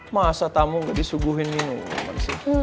masa tamu gak disuguhin minuman sih